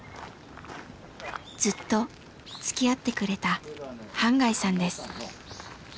ずっと付き合ってくれた半谷さんです。